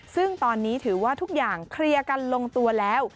ซึ่งตอนนี้ถือว่าทุกอย่างเคลียร์กันลงตัวแล้ว